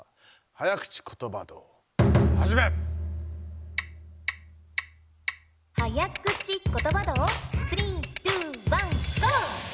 早口ことば道スリーツーワンーゴー！